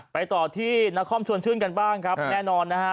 ไปต่อที่นครชวนชื่นกันบ้างครับแน่นอนนะฮะ